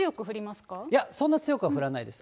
いや、そんな強くは降らないです。